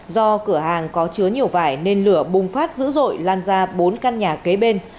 do cửa hàng có chứa nhiều vải nên lửa bùng phát dữ dội lan ra bốn căn nhà kế bên